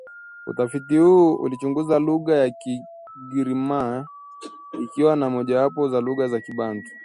Utafiti huu ulichunguza lugha ya Kigiriama ikiwa ni mojawapo ya lugha za Kibantu